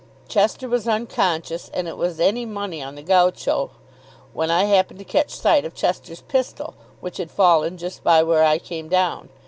Chester was unconscious, and it was any money on the Gaucho, when I happened to catch sight of Chester's pistol, which had fallen just by where I came down.